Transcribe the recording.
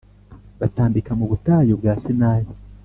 batambika mu butayu bwa Sinayi